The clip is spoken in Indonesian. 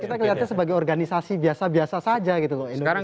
kita kelihatannya sebagai organisasi biasa biasa saja gitu loh